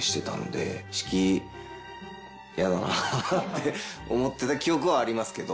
指揮ヤダなって思ってた記憶はありますけど。